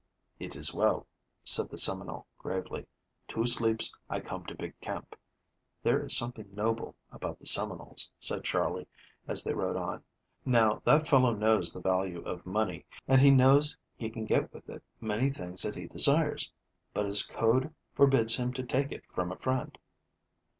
"It is well," said the Seminole, gravely. "Two sleeps I come to big camp." "There is something noble about the Seminoles," said Charley, as they rode on. "Now that fellow knows the value of money, and he knows he can get with it many things that he desires, but his code forbids him to take it from a friend."